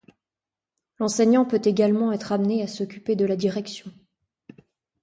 L’enseignant peut également être amené à s’occuper de la direction.